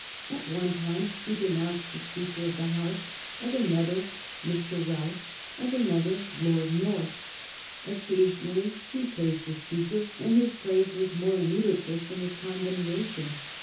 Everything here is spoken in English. At one time he denounced the Speaker of the House; at another, Mr. Rous; at another, Lord North. Occasionally he praised a speaker, and his praise was more ludicrous than his condemnation.